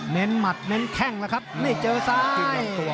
เน้นหมัดเน้นแข้งล่ะครับไม่เจอซ้าย